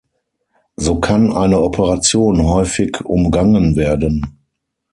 So kann eine Operation häufig umgangen werden.